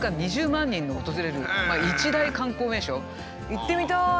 行ってみたい！